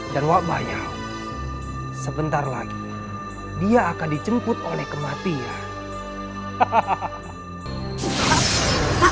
dan wak bayau sebentar lagi dia akan dicemput oleh kematian